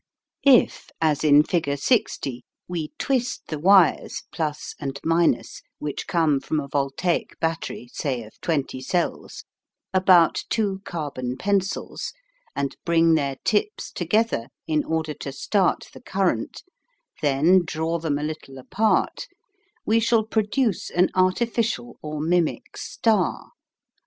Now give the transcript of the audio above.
If, as in figure 60, we twist the wires (+ and ) which come from a voltaic battery, say of 20 cells, about two carbon pencils, and bring their tips together in order to start the current, then draw them a little apart, we shall produce an artificial or mimic star.